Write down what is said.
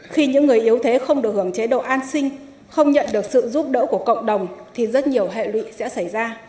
khi những người yếu thế không được hưởng chế độ an sinh không nhận được sự giúp đỡ của cộng đồng thì rất nhiều hệ lụy sẽ xảy ra